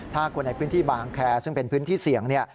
ถ้าคนในพื้นที่บางแคร์ซึ่งเป็นพื้นที่เสี่ยงเนี่ย